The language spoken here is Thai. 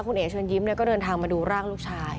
คุณเอกชวนยิ้มเนี่ยก็เดินทางมาดูร่างลูกชาย